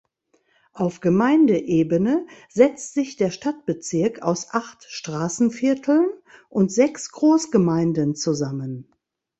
Auf Gemeindeebene setzt sich der Stadtbezirk aus acht Straßenvierteln und sechs Großgemeinden zusammen.